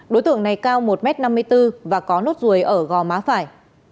đối tượng này cao một m năm mươi bốn và có nốt ruồi ở gò má phải